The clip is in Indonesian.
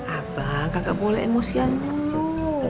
abang kagak boleh emosional dulu